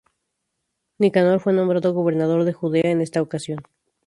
Nicanor fue nombrado gobernador de Judea en esta ocasión.